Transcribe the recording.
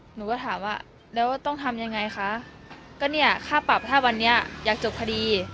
หนูก็ถามว่าแล้วต้องทำยังไงคะก็เนี่ยค่าปรับถ้าวันนี้อยากจบคดี